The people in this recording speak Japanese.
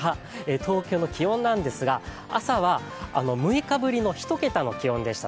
東京の気温なんですが、朝は６日ぶりの１桁の気温でした。